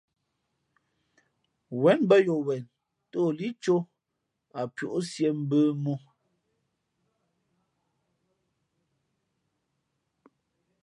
Wěn mbᾱ yo wen tᾱ o lí cō ǎ pʉ̄ ǒ siē mbə̌ mō.